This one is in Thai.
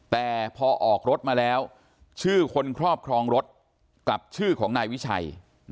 แต่พอออกรถมาแล้วชื่อคนครอบครองรถกับชื่อของนายวิชัย